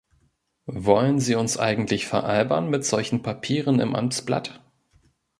Wollen Sie uns eigentlich veralbern mit solchen Papieren im Amtsblatt?